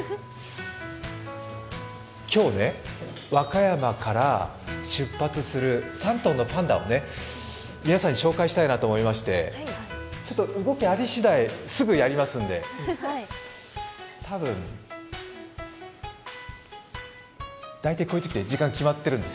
今日ね、和歌山から出発する３頭のパンダを皆さんに紹介したいなと思いましてちょっと動きありしだい、すぐやりますんで、たぶん、大体こういうときって時間が決まっているんですよ。